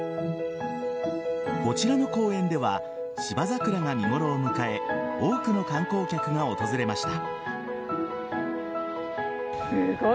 こちらの公園では芝桜が見頃を迎え多くの観光客が訪れました。